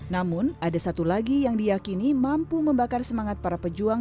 namun ada satu lagi yang diakini mampu membakar semangat para pejuang